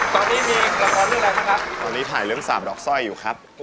ตอนนี้มีละครเรื่องอะไรตอนนี้ถ่ายเริ่มประกอบสาบดอกสร้อยอยู่ครับ